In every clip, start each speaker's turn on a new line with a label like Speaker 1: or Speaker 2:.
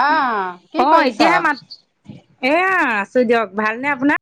Speaker 1: আহ কি
Speaker 2: অ
Speaker 1: কৰিছ।
Speaker 2: চই দিয়ক ভালনে আপোনাৰ।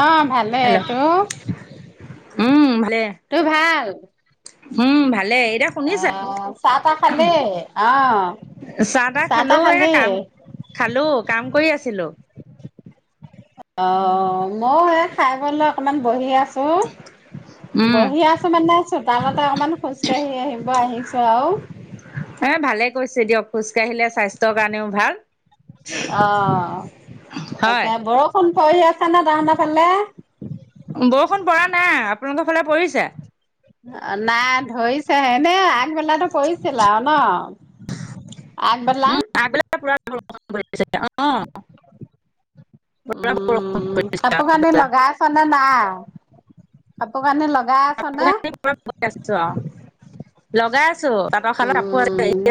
Speaker 1: অহ। ভালে
Speaker 2: হেল্ল'
Speaker 1: তোৰ
Speaker 2: উম ভালে
Speaker 1: তোৰ ভাল। [unintelligible]
Speaker 2: উম ভাল। ভালে এতিয়া শুনিছা
Speaker 1: আহ চাহ তাহ খালি আহ
Speaker 2: চাহ তাহ খালো এ কাম খালো কাম কৰি আছিলো।
Speaker 1: অ ময়ো এই খাই বলৈ অকণমান বহি আছোঁ
Speaker 2: উম
Speaker 1: বহি আছোঁ মানে চোতালতে অকণমান খোজকাঢ়ি আহিব আহিছোঁ আৰু।
Speaker 2: এ ভালে কৈছে দিয়ক খোজ কাঢ়িলে স্বাস্থ্যৰ কাৰণেও ভাল।
Speaker 1: অঁ
Speaker 2: হয়
Speaker 1: তাকে, বৰষুণ হৈ আছে নহয় তাহাঁতৰ ফালে।
Speaker 2: বৰষুণ পৰা নাই আপোনালোকৰ ফালে পৰিছে?
Speaker 1: অঁ নাই ধৰিছেহে, এনেই আ আগবেলাটো কৰিছিল আৰু ন? আগবেলা।
Speaker 2: [unintelligible] অঁ
Speaker 1: উম
Speaker 2: পৰিছে
Speaker 1: কাপোৰ কানি
Speaker 2: আগবেলা
Speaker 1: লগাই আছনে নাই? পোৰ কানি লগ
Speaker 2: কাপোৰ কানি ঘৰত বয় আছোঁ আৰু। লগাই আ ছো, তাঁতৰ শালত কাপোৰ
Speaker 1: উম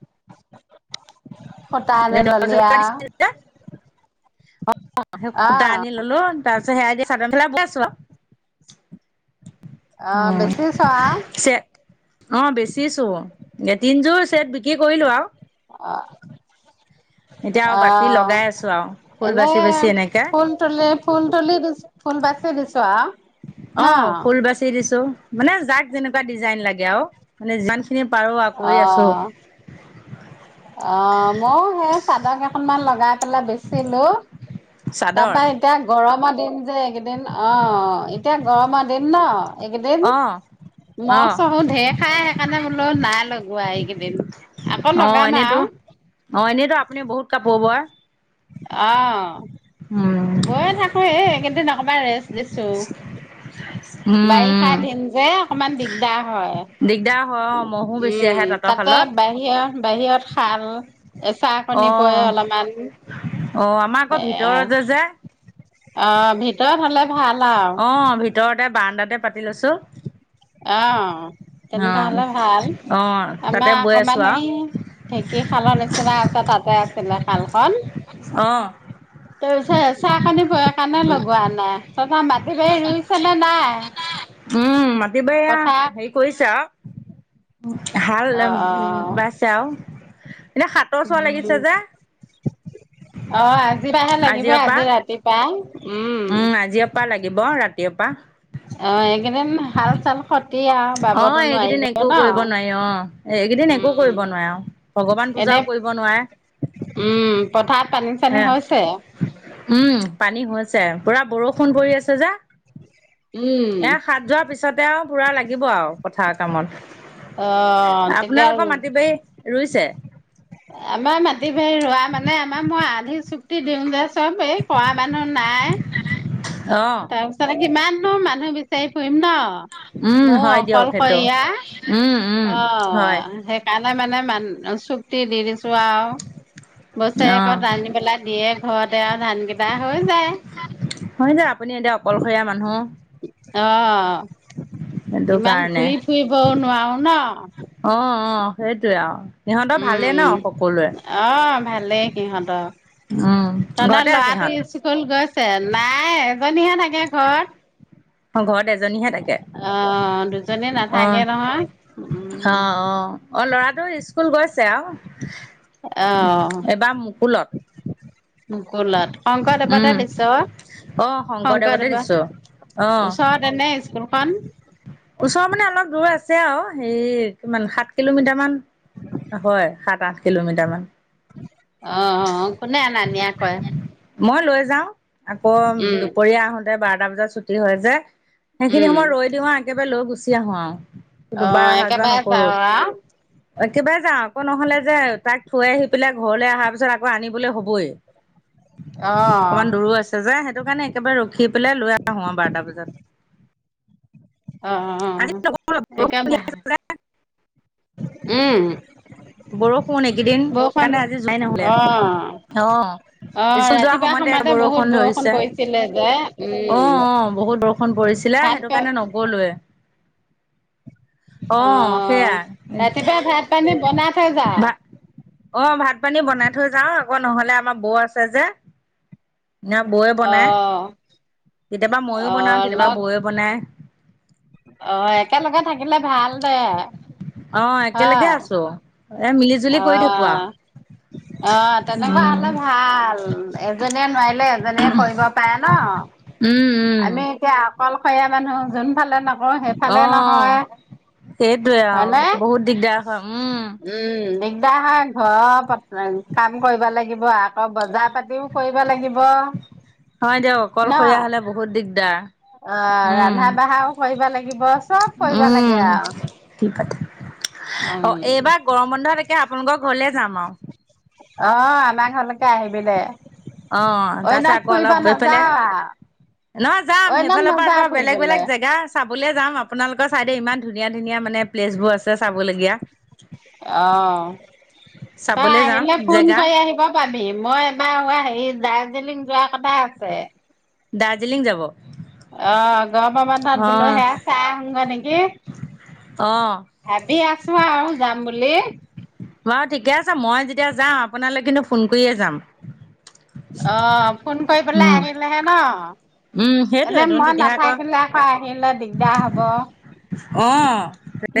Speaker 2: [unintelligible]
Speaker 1: সূতা আনি
Speaker 2: এ দহ
Speaker 1: ললি
Speaker 2: হাজাৰ টকা
Speaker 1: আও
Speaker 2: দিছিল যে, অ' সেই সূতা
Speaker 1: অহ
Speaker 2: আনি ললোঁ তাৰপাছত সেয়াই দিয়ে চাদৰ মেখেলা বোয়াইছো আৰু।
Speaker 1: অহ
Speaker 2: অ'
Speaker 1: বেচিছ আও
Speaker 2: চে অ' বেচিছো। এ তিনিযোৰ চেট বিক্ৰী কৰিলোঁ আৰু।
Speaker 1: অ'।
Speaker 2: এতিয়া আৰু বাকী
Speaker 1: অ'হ
Speaker 2: লগাই আছো আৰু ফুল
Speaker 1: এনে
Speaker 2: বাচি বাচি এনেকে
Speaker 1: ফুল তুলি, ফুল তুলি দিছোঁ, ফুল বাচি দিছোঁ আউ। ন?
Speaker 2: অ ফুল বাচি দিছো মানে যাক যেনেকুৱা ডিজাইন লাগে আৰু মানে যিমান খিনি পাৰোঁ আৰু কৰি আছোঁ।
Speaker 1: অহ অহ ময়ো সেই চাদৰ কেইখনমান লগাই পেলাই বেচিলো।
Speaker 2: চাদৰ
Speaker 1: তাৰপা এতিয়া গৰমত দিন যে এইকেইদিন অ' এতিয়া গৰমৰ দিন ন? এইকেইদিন
Speaker 2: অ
Speaker 1: মহ
Speaker 2: অ
Speaker 1: চহো ঢেৰ খাই, সেইকাৰণে বোলো নাই লগোৱা এইকেইদিন। আকৌ লগ
Speaker 2: অ এনেইতো অ এনেইতো আ আপুনি বহুত কাপোৰ বয়?
Speaker 1: অঁ।
Speaker 2: উম
Speaker 1: বয়ে থাকো এ কিন্তু ন কণমান ৰেচ দিছো।
Speaker 2: উম
Speaker 1: বাৰিষা
Speaker 2: উম
Speaker 1: দিন যে অকমান দিগদাৰ হয়।
Speaker 2: দিগদাৰ হয় অ মহো বেছি আহে
Speaker 1: উম,
Speaker 2: তাঁতৰ
Speaker 1: তাতে
Speaker 2: শালত
Speaker 1: বাহিৰত বাহিৰত শাল এচাকণি পৰে অলপমান
Speaker 2: অঁ আমাৰ আকৌ ভিতৰতে যে
Speaker 1: অঁ ভিতৰত হ'লে ভাল আৰু।
Speaker 2: অ', ভিতৰতে বাৰাণ্ডাত তে পাতি লৈছো।
Speaker 1: অ',
Speaker 2: অ
Speaker 1: তেনেকুৱা হ'লে ভাল,
Speaker 2: অ তাতে
Speaker 1: আমাৰ
Speaker 2: বৈ আছো
Speaker 1: অকমান
Speaker 2: আও
Speaker 1: এই, ঢেঁকী খালৰ নিচিনা আছে তাতে আ ছিলে শালখন।
Speaker 2: অহ।
Speaker 1: তোৰ চে চাহ পানি কাৰণে লগোৱা নাই, তহঁতৰ মাটি-বাৰী ৰুইছে নে নাই?
Speaker 2: উম, মাত বিবেয়া
Speaker 1: পথাৰ
Speaker 2: হেয়ি কৰিছে আও। হাল,
Speaker 1: অ', অ',
Speaker 2: বাইছে আও, এনে সাতৰ চোৱা লাগিছে
Speaker 1: উম।
Speaker 2: যে।
Speaker 1: অ', আজিপাহে লাগিব,
Speaker 2: আজিৰ পৰা
Speaker 1: আজি ৰাতিপা।
Speaker 2: উম, আজিঅপা লাগিব ৰাত তিওপা
Speaker 1: অ', এইকেইদিন হাল চাল খতি আও।
Speaker 2: অ', এইকেইদিন একো কৰিব নোৱাৰি অ', এইকেইদিন একো কৰিব
Speaker 1: উম
Speaker 2: নোৱাৰে। আও ভগৱান
Speaker 1: এনে
Speaker 2: পূজাও কৰিব নোৱাৰে,
Speaker 1: উম পথাৰত পানী চানী
Speaker 2: হয়
Speaker 1: হৈছে
Speaker 2: আকৌ উম, পানী হৈ হৈছে, পুৰা বৰষুণ পৰি আছে যে।
Speaker 1: [inaudible]
Speaker 2: এয়া শাত যোৱাৰ পিছতে আও পুৰা লাগ লাগিব আও পথাৰ কামত,
Speaker 1: অ তেতিয়া আৰু
Speaker 2: আপোনালোকৰ মাটি বাৰি ৰুইছে?
Speaker 1: আমাৰ মাটি বাৰি ৰোৱা মানে, আমাৰ মই আধিক চুক্তি দিওঁ যে চব এই, কৰা মানুহ নাই।
Speaker 2: অ
Speaker 1: তাৰ পিছতে কিমান নো, মানুহ বিচাৰি ফু ন'
Speaker 2: উম
Speaker 1: ময়ো
Speaker 2: হয় দিয়ক সেইটো
Speaker 1: অকলশৰীয়া
Speaker 2: উম উম হয়
Speaker 1: অ', হেইকাৰণ মই মানে, মান চুক্তি দি, দিছোঁ আও।
Speaker 2: অ
Speaker 1: বছৰেকত আনি পেলাই দিয়ে ঘৰতে আৰু ধান কেইটা হৈ যায়।
Speaker 2: হয় দে আপুনি এতিয়া অকলশৰীয়া মানুহ।
Speaker 1: অ'
Speaker 2: সেইটো
Speaker 1: ইমান
Speaker 2: কাৰণে
Speaker 1: ঘুৰি ফুৰিবও নোৱাৰো ন?
Speaker 2: অ অ সেইটোৱে আৰু। ইহঁতৰ ভালেই
Speaker 1: উম,
Speaker 2: ন' সকলোৱে?
Speaker 1: অ' ভালেই সিহঁতৰ।
Speaker 2: উম
Speaker 1: তহঁতৰ
Speaker 2: ঘৰতে আছে
Speaker 1: ল'ৰাটো
Speaker 2: ইহঁত।
Speaker 1: স্কুল গৈছে? নাই, এজনীহে থাকে ঘৰত
Speaker 2: অ' ঘৰতে এজ এজনীহে থাকে,
Speaker 1: অ' দুজনী
Speaker 2: অ'
Speaker 1: নাথাকে নহয়। উম,
Speaker 2: অ' অ' অ' ল'ৰাটো স্কুল গৈছে আৰু, এইবাৰ মুকুলত।
Speaker 1: [unintelligible] স্কুলত শংকৰদেৱতে
Speaker 2: উম
Speaker 1: দিছ,
Speaker 2: অ শংকৰদেৱতে দিছো
Speaker 1: শংকৰদেৱত ওচৰতে নে ইচ [unintelligible]
Speaker 2: ওচৰৰ মানে অলপ দূৰ আছে আছে আৰু হেৰি কিমান সাত কিলোমিটাৰ মান হয়, সাত আঠ কিলোমিটাৰ মান
Speaker 1: [inaudible] কোনে অনা নিয়া কৰে?
Speaker 2: মই লৈ যাওঁ, আকৌ
Speaker 1: উম,
Speaker 2: দুপৰীয়া আহোতে বাৰ এটা বজাত ছুটি হয় যে সেইখিনি
Speaker 1: উম,
Speaker 2: সময় ৰৈ দিওঁ আৰু এগে [unintelligible] লৈ গুচি আহো আৰু দুবাৰ
Speaker 1: অ'
Speaker 2: অহা যোৱা
Speaker 1: একেবাৰে
Speaker 2: নকৰো
Speaker 1: যাৱ আৰু।
Speaker 2: একেবাৰে যাও আকৌ নহলে যে তাইক থৈ আহি পেলাই ঘৰলৈ অহা পিছ ত পিছত আকৌ আনিবলৈ হ'বই। অকমান
Speaker 1: অ',
Speaker 2: দূৰো আছে যে সেইটো কাৰণে একেবাৰে ৰখি পেলাই লৈ আহো আৰু বাৰটা বজাত।
Speaker 1: অ', -
Speaker 2: আজি
Speaker 1: অ', একে ভা
Speaker 2: বৰষুণ এইকেইদিন
Speaker 1: বৰষুণ
Speaker 2: সেইকাৰণে আজি যোৱাই ন'হলে,
Speaker 1: অ',
Speaker 2: অ',
Speaker 1: অ',
Speaker 2: ইস্কুল যোৱাৰ
Speaker 1: ৰাতিপুৱা
Speaker 2: সময়তে
Speaker 1: বহুত
Speaker 2: বৰষুণ ধৰিছে,
Speaker 1: পৰিছিলে যে
Speaker 2: অ'
Speaker 1: উম,
Speaker 2: অ' বহুত বৰষুণ পৰিছিলে
Speaker 1: ভাত
Speaker 2: সেইটো কাৰণে ন'গলোৱে অ', সেয়াই
Speaker 1: ৰাতিপুৱা ভাত পানী বনাই থৈ যাও।
Speaker 2: ভা অ', ভাত পানী বনাই থৈ যাও আকৌ নহলে আমাৰ বৌ আছে যে ন, বৌয়ে বনাই
Speaker 1: অ',
Speaker 2: কেতিয়াবা ময়ো বনাওঁ,
Speaker 1: অ',
Speaker 2: কেতিয়াবা
Speaker 1: লগ
Speaker 2: বৌয়ে বনাই
Speaker 1: অ' একেলগে থাকিলে ভাল দে
Speaker 2: অ'একেলগে
Speaker 1: হয়।
Speaker 2: আছো। এ মিলি জুলি কৰি থাকোঁ আৰু।
Speaker 1: অ', অ', তেনেকুৱা হ'লে ভাল এজনীয়ে নোৱাৰিলে এজনীয়ে কৰিব পাৰে ন' অ'
Speaker 2: উম উম
Speaker 1: আমি এতিয়া অকলশৰীয়া মানুহ যোনফালে নক
Speaker 2: আহ সেইটয়ে
Speaker 1: হয়নে?
Speaker 2: আৰু বহুত দিগদাৰ হয়। উম!
Speaker 1: উম, দিগদাৰ হয় ঘৰৰ কাম কৰিব লাগিব আকৌ বজাৰ পাতিও কৰিব লাগিব।
Speaker 2: হয় দিয়ক অকলশৰীয়া হলে বহুত দিগদাৰ।
Speaker 1: অহ
Speaker 2: উম
Speaker 1: ৰন্ধা বঢ়াও কৰিব লাগিব চব কৰিব
Speaker 2: উম।
Speaker 1: লাগে আৰু
Speaker 2: কি পাতে অ এইবাৰ গৰম বন্ধত একে
Speaker 1: উম।
Speaker 2: আপোনালোকৰ ঘৰলে যাম আৰু!
Speaker 1: অ আমাৰ ঘৰলৈকে আহিবি দে।
Speaker 2: অ তাৰপিছত
Speaker 1: অইনত
Speaker 2: আকৌ অলপ
Speaker 1: ফুৰিবা
Speaker 2: এইফালে
Speaker 1: নাযাৱ আৰু?
Speaker 2: নহয় যাম
Speaker 1: অইনত
Speaker 2: সেইফালৰ পৰা আকৌ
Speaker 1: নাযাওঁ
Speaker 2: বেলেগ
Speaker 1: ফুৰিবলৈ।
Speaker 2: বেলেগ জেগা আছে চাবলৈ যাম আপোনালোকৰ চাইডে ইমান ধুনীয়া ধুনীয়া মানে প্লেচবোৰ আছে চাবলগীয়া।
Speaker 1: অ তই
Speaker 2: চাবলৈ যাম
Speaker 1: আহিলে ফোন
Speaker 2: জেগা
Speaker 1: কৰি আহিব পাৰ বি মই এবাৰ হোৱা হেৰি দাৰ্জিলিং যোৱা কথা আছে।
Speaker 2: দাৰ্জিলিং যাব?
Speaker 1: অ গৰমৰ বন্ধ
Speaker 2: অ
Speaker 1: বোলো হেয়া চাই আহো গৈ নেকি
Speaker 2: অ
Speaker 1: ভাবি আছো আৰু যাম বুলি।
Speaker 2: বাৰু ঠিকে আছে মই যেতিয়া যাওঁ আপোনালৈ কিন্তু ফোন কৰিয়ে যাম।
Speaker 1: অ ফোন কৰি পেলাই
Speaker 2: উম
Speaker 1: আহিলেহে ন?
Speaker 2: উম
Speaker 1: এনে
Speaker 2: সেইটোৱেতোন
Speaker 1: মই
Speaker 2: তেতিয়াহে
Speaker 1: নাথাকিলে আকৌ আহিলে দিগদাৰ হব
Speaker 2: অ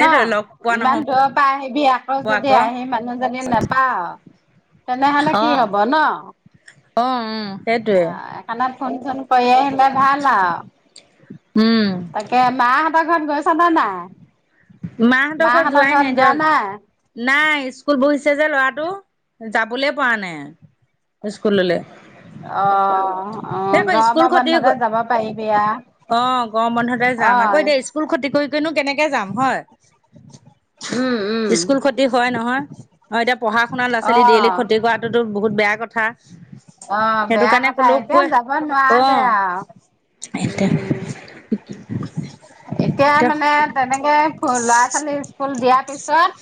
Speaker 1: ন?
Speaker 2: লগ পোৱা
Speaker 1: ইমান
Speaker 2: নহ'ব
Speaker 1: দূৰৰ পৰা আহিবি আকৌ যদি আহি মানুহজনী নাপাও! তেনেহলে
Speaker 2: অ
Speaker 1: কি হব ন?
Speaker 2: অ উম সেইটোৱে!
Speaker 1: অ', সেইকাৰণে ফোন চোন কৰি তে ভাল
Speaker 2: উম
Speaker 1: আৰু তাকে মা ঘৰত গৈছা নে নাই?
Speaker 2: মাহঁতৰ ঘৰত যোৱাই নাই দিয়ক। নাই স্কুল বহিছে ছে যে ল'ৰাটো যাবলৈ পৰা নাই স্কুললৈ।
Speaker 1: অ অ গৰম
Speaker 2: স্কুল খতি
Speaker 1: বন্ধতে যাব পাৰিবি
Speaker 2: অ'
Speaker 1: আ অ
Speaker 2: কোনো কেনেকে যাম? হয়?
Speaker 1: উম, উম,
Speaker 2: স্কুল ক্ষতি হয় নহয় হয় দেয় পঢ়া শুনা লৰা ছোৱালী দেইলি
Speaker 1: অ',
Speaker 2: খতি কৰাতো বহুত বেয়া কথা
Speaker 1: অ
Speaker 2: সেইটো
Speaker 1: বেয়া
Speaker 2: কাৰণে
Speaker 1: কথা
Speaker 2: ক'লেও
Speaker 1: এতিয়া
Speaker 2: কৈ
Speaker 1: যাব নোৱাৰা
Speaker 2: অ'
Speaker 1: দে আৰু
Speaker 2: এতিয়া
Speaker 1: উম এতিয়া মানে তেনেকে লৰা ছোৱালী স্কুল দি তেওঁপ এছ [unintelligible] ত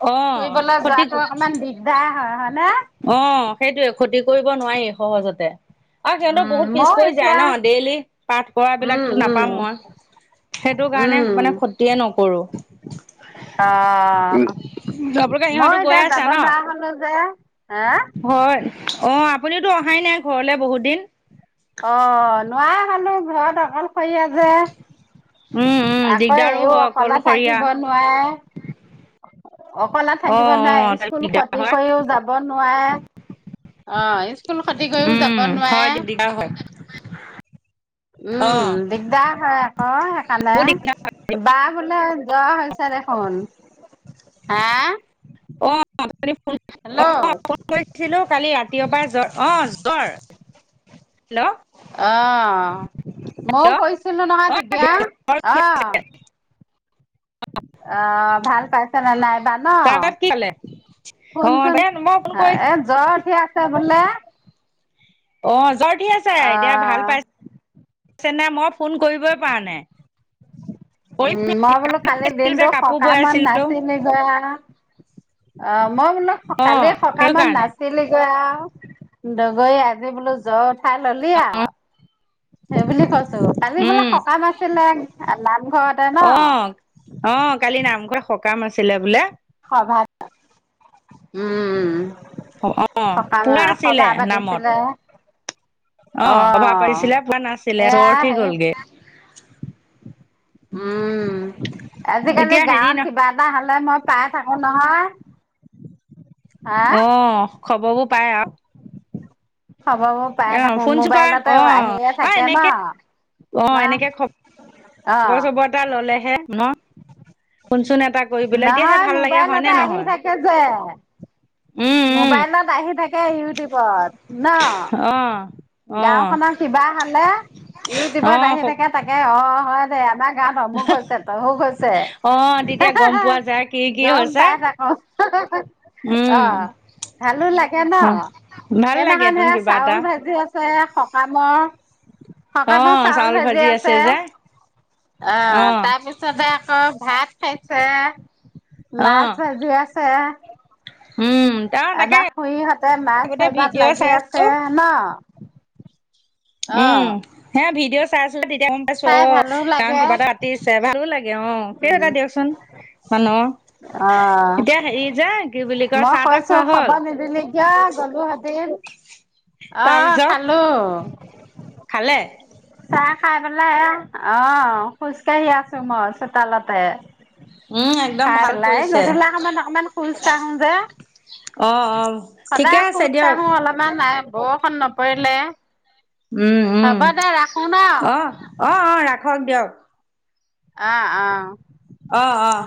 Speaker 2: অ'
Speaker 1: ফুৰিবলৈ
Speaker 2: খতি
Speaker 1: যোৱাটো অকমান দিগদাৰ হয় হয় নে?
Speaker 2: অ' সেইটোোৱে খতি কৰিব নোৱাৰি সহজতে। আৰু সিহঁতো
Speaker 1: উম।
Speaker 2: বহুত পিছ
Speaker 1: ময়ো
Speaker 2: পৰি যায়
Speaker 1: এতিয়া
Speaker 2: ন, ডেইলি পাঠ কৰা
Speaker 1: উম
Speaker 2: বিলাকো
Speaker 1: উম
Speaker 2: নাপাম মই সেইটো কাৰণে
Speaker 1: উম।
Speaker 2: মানে ক্ষতিয়ে
Speaker 1: অ'
Speaker 2: নকৰো আপোকে
Speaker 1: মই
Speaker 2: সিহঁতো গৈ
Speaker 1: এতিয়া
Speaker 2: আছা
Speaker 1: যাব
Speaker 2: ন?
Speaker 1: নোৱাৰা হ'লো যে। হা
Speaker 2: হয় অ' অ'আপুনিতো অহাই নাই ঘৰলে বহুত দিন।
Speaker 1: খালো ঘৰত অকল। অকলশৰীয়া
Speaker 2: উম
Speaker 1: যে
Speaker 2: উম
Speaker 1: আকৌ
Speaker 2: দিগদাৰো
Speaker 1: এইও
Speaker 2: হয়
Speaker 1: অকলে
Speaker 2: অকলশৰীয়া
Speaker 1: থাকিব নোৱাৰে, অকলে
Speaker 2: অ
Speaker 1: থাকিব
Speaker 2: অ
Speaker 1: নোৱাৰে
Speaker 2: তাত
Speaker 1: স্কুল
Speaker 2: দিগদাৰ
Speaker 1: ক্ষতি
Speaker 2: হয়
Speaker 1: কৰিও যাব নোৱাৰে। অ' এ স্কুল খতি কৰিও
Speaker 2: উম
Speaker 1: যাব
Speaker 2: হয়
Speaker 1: নোৱাৰে।
Speaker 2: দিগদাৰ হয়। অ
Speaker 1: উম দিগদাৰ হয় আকৌ
Speaker 2: বহুত দিগদাৰ হয়
Speaker 1: সেইকাৰণে বা বোলে জৰ হৈছে। [unintelligible]
Speaker 2: অ' অ' ফোন
Speaker 1: হেল্ল'
Speaker 2: কৰিছিলো কালি ৰাতিয় পাই জ্বৰ অ' জ্বৰ হেল্ল'
Speaker 1: অ ' ময়ও
Speaker 2: হেল্ল'
Speaker 1: কৈছিলো নহয়
Speaker 2: অ
Speaker 1: তেতিয়া অঁহ। অ ভাল পাইছে নে নাইবা ন?
Speaker 2: তাৰপিছত কি কলে অ
Speaker 1: শুনচোন
Speaker 2: দে মই ফোন কৰি
Speaker 1: এ জ্বৰ উঠি আছে বোলে?
Speaker 2: অ জ্বৰ উঠি আছে এতিয়া ভাল
Speaker 1: অ'
Speaker 2: পাইছ নাই মই ফোন কৰিবই পাৰ নাই। কৰি
Speaker 1: উম মই বোলো কালি
Speaker 2: আছিলো যে
Speaker 1: দিনটো
Speaker 2: কাপোৰ
Speaker 1: সক
Speaker 2: বৈ
Speaker 1: মান
Speaker 2: আছিলো
Speaker 1: নাছিলি যে। অ মই বোলো
Speaker 2: অ
Speaker 1: কালি
Speaker 2: সেইটো
Speaker 1: সকামত
Speaker 2: কাৰণে
Speaker 1: নাছিলিগৈয়া। দগৈ আজি বোলো জ্বৰ। খায় ললি আও সেইবুলি কৈছো, কালি বোলে
Speaker 2: উম
Speaker 1: সকাম আছিলে নামঘৰতে ন?
Speaker 2: অ অ কালি নামঘৰ সকাম আছিলে বোলে?
Speaker 1: সভা, উম
Speaker 2: অ'
Speaker 1: সকাম
Speaker 2: পুৰা আছিলে
Speaker 1: সভা পাতিছিলে
Speaker 2: নামত? অ সভা পাতিছিলে পোৱা নাছিলে জৰ
Speaker 1: এয়া
Speaker 2: উঠি
Speaker 1: হেৰি
Speaker 2: গলগে
Speaker 1: উম আজিকালি
Speaker 2: এতিয়া হেৰি
Speaker 1: গাঁৱত
Speaker 2: ন
Speaker 1: কিবা এটা হলে মই পাই থা- কো নহয় হা
Speaker 2: অ, খবৰ বোৰ- পাই য়া
Speaker 1: খবৰবোৰ পাই
Speaker 2: অ,
Speaker 1: থাকো
Speaker 2: ফোন চুন
Speaker 1: মোবাইলতে
Speaker 2: কৰা, অ,
Speaker 1: আহিয়ে
Speaker 2: অ,
Speaker 1: থাকে ন
Speaker 2: এনেকে, অ,
Speaker 1: ন
Speaker 2: এনেকে খ,
Speaker 1: অ
Speaker 2: খবৰ চবৰ এটা ললেহে ন? ফোন চোন এটা কৰি পেলাই তেতিয়াহে
Speaker 1: নহয়,
Speaker 2: ভাল লাগে হয় নে
Speaker 1: মোবাইলতে আহি
Speaker 2: নহয়
Speaker 1: থাকে যে
Speaker 2: উম উম
Speaker 1: মোবাইলত আহি থা- কে ইউটিউবত। ন, গাওঁ খনৰ
Speaker 2: অ
Speaker 1: কিবা হ'লে, ইউটিউবত আহি
Speaker 2: অ অ
Speaker 1: থাকে, তাকে, অ। হৈ, দে, আমাক- গাঁওত অমুক হৈছে, তমুক হৈছে,
Speaker 2: অ
Speaker 1: হে
Speaker 2: তেতিয়া
Speaker 1: হে
Speaker 2: গম
Speaker 1: হে!
Speaker 2: পোৱা যায় কি কি
Speaker 1: গম
Speaker 2: হৈছে
Speaker 1: পাই থাকো। হাঁ হাঁ হাঁ! আ
Speaker 2: উম
Speaker 1: ভালো লাগে ন?
Speaker 2: হয় ভাল লাগে
Speaker 1: সেইনাখন
Speaker 2: তোন
Speaker 1: সেয়া
Speaker 2: কিবা এটা
Speaker 1: চাউল ভাজি, আ- আছে, সকামৰ সকামত চাউল ভাজি আছে, অ তাৰপিছতে আকৌ- ভাত খাইছে!
Speaker 2: অ
Speaker 1: মাছ ভাজি আছে।
Speaker 2: উম তাৰ তাকে
Speaker 1: আমাৰ খুুৰীহঁতে মাছ
Speaker 2: আগতে
Speaker 1: ভাজাত
Speaker 2: ভিডিঅ' চাই
Speaker 1: লাগি
Speaker 2: আছো
Speaker 1: আছে, ন'? অ
Speaker 2: উম, হে ভিডিঅ- চাই আ- আছিলে। তেতিয়া গম পাইছো,
Speaker 1: চাই
Speaker 2: অ,
Speaker 1: ভালো
Speaker 2: কাৰণ
Speaker 1: লাগে
Speaker 2: কিবা এটা ৰাতি চাই, ভালো লাগে। কে অ' সেই
Speaker 1: উম
Speaker 2: এটা দিয়কচোন মানুহৰ,
Speaker 1: অ
Speaker 2: এতিয়া হেৰি যে, কি বুলি কয়
Speaker 1: মই
Speaker 2: চাহ-তাহ
Speaker 1: কৈছো
Speaker 2: খোৱা
Speaker 1: খাব
Speaker 2: হল?
Speaker 1: নিদিলি অ অ,
Speaker 2: তাৰপিছত
Speaker 1: খালো।
Speaker 2: খালে
Speaker 1: চাহ খাই পেলাই এয়া, অ' খোজ কাঢ়ি আছো মই চোতালতে।
Speaker 2: উম একদম
Speaker 1: খাই
Speaker 2: ভাল
Speaker 1: পেলায়,
Speaker 2: কৰিছে
Speaker 1: গধূলা সময়ত অকমান খোজ কাঢ়ো যে।
Speaker 2: অ', অ', ঠিকে
Speaker 1: সদায়
Speaker 2: আছে
Speaker 1: খোজ
Speaker 2: দিয়ক
Speaker 1: কাঢ়ো অলপমান নাই বৰষুণ নপৰিলে
Speaker 2: উম-উম
Speaker 1: হ'ব দে ৰাখো ন
Speaker 2: অ', অ', অ', ৰাখক দিয়ক। [inaudible]
Speaker 1: অ', অ',
Speaker 2: অ', অ',